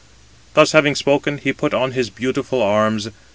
Thus having spoken, he put on his beautiful arms.